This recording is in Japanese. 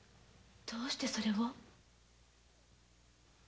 どうしてそれを？